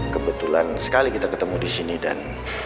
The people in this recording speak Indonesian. kebetulan sekali kita ketemu disini dan